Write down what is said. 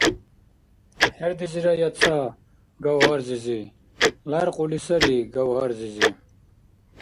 ХӀердизирая ца! Гавгьар-зизи ляркьули сари, Гавгьар-зизи!